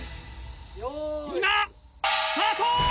今スタート！